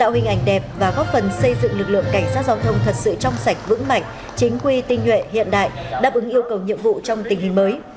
hình ảnh đẹp và góp phần xây dựng lực lượng cảnh sát giao thông thật sự trong sạch vững mạnh chính quy tinh nhuệ hiện đại đáp ứng yêu cầu nhiệm vụ trong tình hình mới